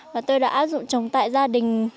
và tôi đã áp dụng trồng tại gia đình